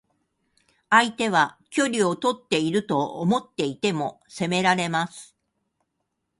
相手は距離をとっていると思っていても攻められます。